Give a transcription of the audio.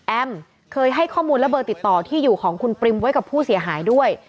เคยให้ข้อมูลและเบอร์ติดต่อที่อยู่ของคุณปริมไว้กับผู้เสียหายด้วย